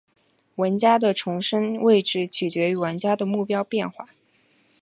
玩家的重生位置取决于玩家的目标变化。